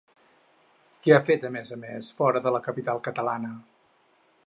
Què ha fet a més a més fora de la capital catalana?